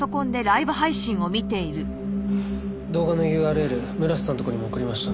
動画のＵＲＬ村瀬さんのところにも送りました。